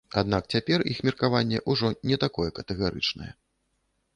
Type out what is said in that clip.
Аднак цяпер іх меркаванне ўжо не такое катэгарычнае.